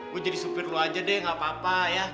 gue jadi supir lo aja deh gak apa apa ya